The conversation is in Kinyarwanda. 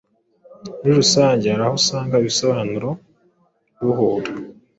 muri rusange hari aho usanga ibisobanuro buhura.